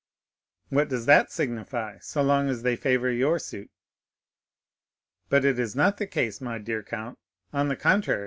"What does that signify, so long as they favor your suit?" "But it is not the case, my dear count: on the contrary.